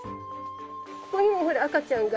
ここにもほら赤ちゃんが。